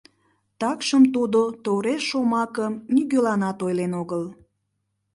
Такшым тудо тореш шомакым нигӧланат ойлен огыл.